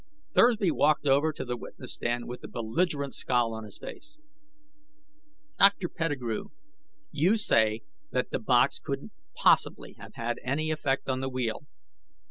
Thursby walked over to the witness stand with a belligerent scowl on his face. "Dr. Pettigrew, you say that the box couldn't possibly have had any effect on the wheel.